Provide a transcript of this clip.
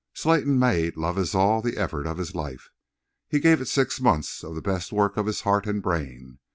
Slayton made "Love Is All" the effort of his life. He gave it six months of the best work of his heart and brain.